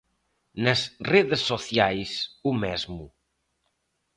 Nas redes sociais, o mesmo.